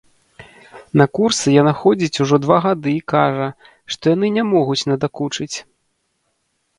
На курсы яна ходзіць ужо два гады і кажа, што яны не могуць надакучыць.